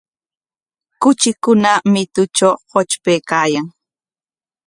Kuchikuna mitutraw qutrpaykaayan.